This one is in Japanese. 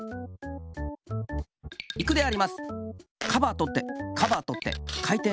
いくであります。